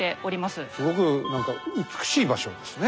すごく何か美しい場所ですね。